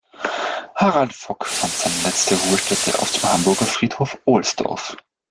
Harald Vock fand seine letzte Ruhestätte auf dem Hamburger Friedhof Ohlsdorf.